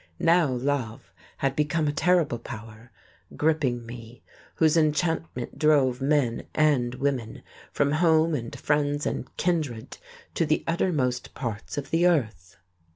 Now love had become a terrible power (gripping me) whose enchantment drove men and women from home and friends and kindred to the uttermost parts of the earth....